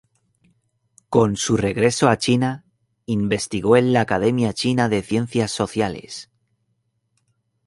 Con su regreso a China, investigó en la Academia China de Ciencias Sociales.